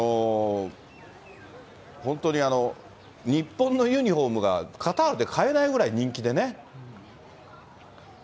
本当に日本のユニホームがカタールで買えないぐらい人気でね。